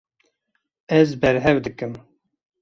Ez berhev dikim.